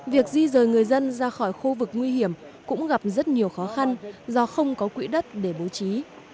việc di rời người dân ra khỏi khu vực nguy hiểm cũng gặp rất nhiều khó khăn do không có quỹ đất để bố trí